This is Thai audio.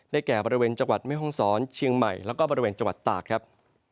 แก่บริเวณจังหวัดแม่ห้องศรเชียงใหม่แล้วก็บริเวณจังหวัดตากครับ